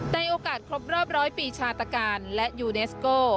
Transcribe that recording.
ในโอกาสครบรอบร้อยปีชาตการและยูเนสโก